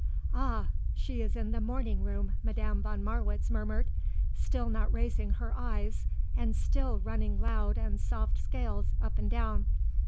"Ah. She is in the morning room," Madame von Marwitz murmured, still not raising her eyes, and still running loud and soft scales up and down.